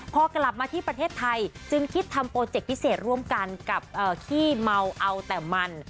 พอกลับมาที่ประเทศไทยจึงคิดทำโปรเจคพิเศษร่วมกันกับขี้เมาเอาแต่มัน